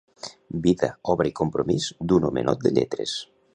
Vida, obra i compromís d'un homenot de lletres'.